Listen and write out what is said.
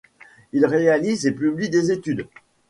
Il réalise et publie des études.